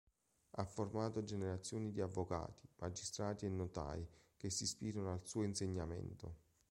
Ha formato generazioni di avvocati, magistrati e notai, che si ispirano al suo insegnamento.